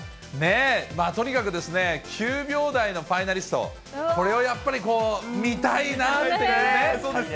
とにかくですね、９秒台のファイナリスト、これをやっぱり見たいなっていうね。